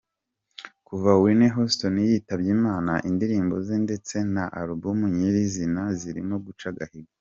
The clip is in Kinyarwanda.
Kuva Whitney Houston yitabye Imana, indirimbo ze ndetse na Album nyirizina zirimo guca agahigo.